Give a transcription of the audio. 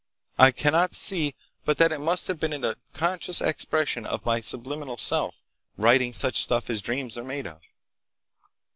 I cannot see but that it must have been an unconscious expression of my subliminal self, writing such stuff as dreams are made of."